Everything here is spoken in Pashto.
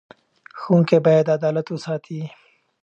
ښوونکي باید عدالت وساتي.